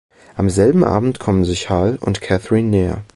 Am selben Abend kommen sich Hal und Catherine näher.